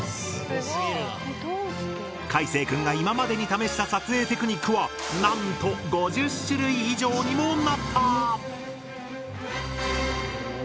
いせい君が今までに試した撮影テクニックはなんと５０種類以上にもなった！